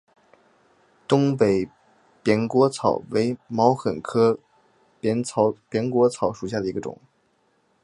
东北扁果草为毛茛科扁果草属下的一个种。